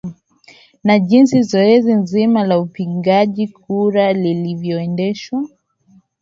na jinsi zoezi zima la upigaji kura lilivyoendeshwa